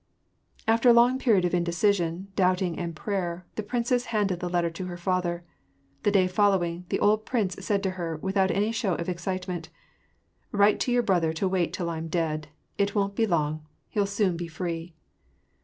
After a long period of indecision, doubting, and prayer, the princess handed the letter to her father. The day following, the old prince said to her, without any show of excitement, —" Write to your brother to wait till I'm dead — it won't be long — he'll soon be free."